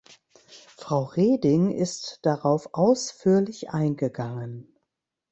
Frau Reding ist darauf ausführlich eingegangen.